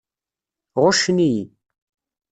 Ɣuccen-iyi.